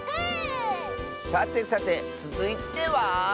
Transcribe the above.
さてさてつづいては。